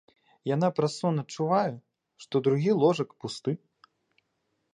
Яна праз сон адчувае, што другі ложак пусты.